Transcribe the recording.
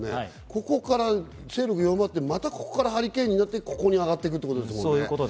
ここから勢力が弱まって、またここからハリケーンになって、ここに上がってくるってことですね。